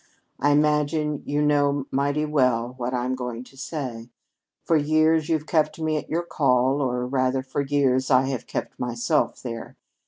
"I imagine you know mighty well what I'm going to say. For years you've kept me at your call or, rather, for years I have kept myself there.